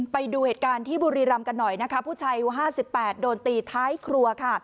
ไปดูเหตุการณ์ที่บุรีรำกันหน่อยนะคะผู้ชายอายุ๕๘โดนตีท้ายครัวค่ะ